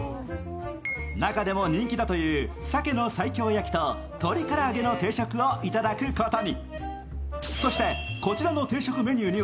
中でも人気だという鮭の西京焼きととり唐揚げの定食をいただくことに。